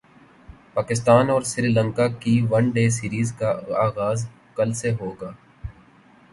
پاکستان اور سری لنکا کی one day series کا غاز کل سے ہو گا